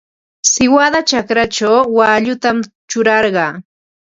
Siwada chakrachaw waallutam churarqaa.